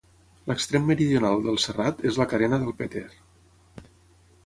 L'extrem meridional del serrat és la Carena del Peter.